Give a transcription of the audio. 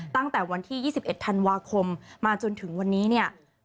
ตั้งแต่วันที่๒๑ธันวาคมมาจนถึงวันนี้เนี่ย